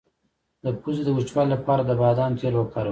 د پوزې د وچوالي لپاره د بادام تېل وکاروئ